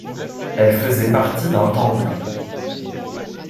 Elles faisaient partie d'un temple.